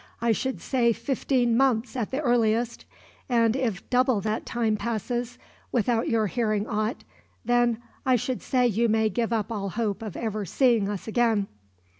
I should say fifteen months at the earliest; and if double that time passes, without your hearing aught, then I should say you may give up all hope of ever seeing us again."